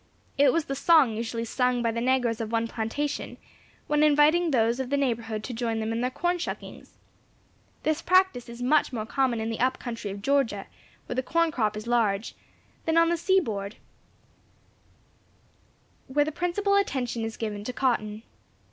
It was the song usually sung by the negroes of one plantation, when inviting those of the neighbourhood to join them in their "corn shuckings." This practice is much more common in the up country of Georgia, where the corn crop is large, than on the seaboard, where the principal attention is given to cotton.